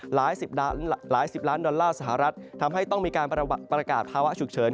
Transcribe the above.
หลายสิบล้านดอลลาร์สหรัฐทำให้ต้องมีการประกาศภาวะฉุกเฉิน